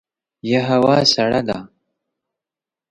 یه هوا سړه ده !